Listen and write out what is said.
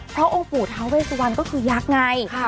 เพราะองค์ปู่ทาเวสวันก็คือยักษ์ไง